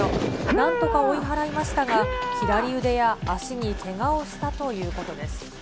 なんとか追い払いましたが、左腕や脚にけがをしたということです。